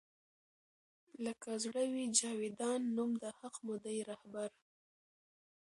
لــــــــــکه زړه وي جـــاویــــدان نــــوم د حــــق مو دی رهـــــــــبر